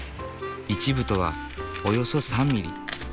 １分とはおよそ３ミリ。